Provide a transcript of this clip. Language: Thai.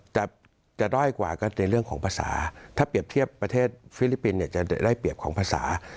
จะด้อยกว่าก็ในเรื่องของภาษาถ้าเปรียบเทียบประเทศฟิลิปปินส์เนี่ยจะได้เปรียบของภาษา